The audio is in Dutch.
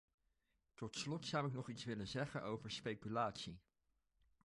Tot slot zou ik nog iets willen zeggen over speculatie.